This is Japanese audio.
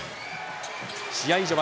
試合序盤